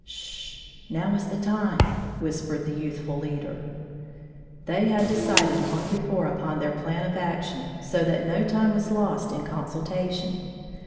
"Sh! now is the time," whispered the youthful leader. They had decided long before upon their plan of action, so that no time was now lost in consultation.